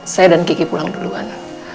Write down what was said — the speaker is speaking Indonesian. saya dan kiki pulang duluan